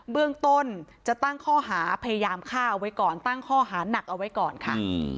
เบื้องต้นจะตั้งข้อหาพยายามฆ่าเอาไว้ก่อนตั้งข้อหาหนักเอาไว้ก่อนค่ะ